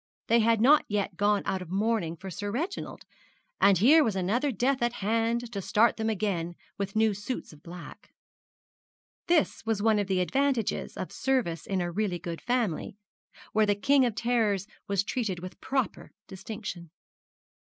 They had not yet gone out of mourning for Sir Reginald; and here was another death at hand to start them again with new suits of black. This was one of the advantages of service in a really good family, where the King of Terrors was treated with proper distinction.